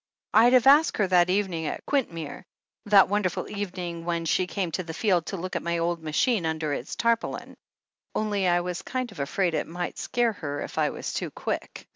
I'd have asked her that evening at Quintmere — ^that wonderful evening when she came to the field to look at my old machine under its tarpaulin — only I was kind of afraid it might scare her if I was too quick.